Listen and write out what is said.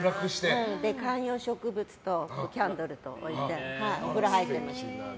観葉植物とキャンドルと置いてお風呂入ってました。